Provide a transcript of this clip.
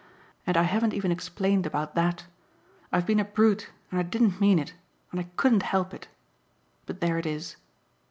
And I haven't even explained about THAT. I've been a brute and I didn't mean it and I couldn't help it. But there it is.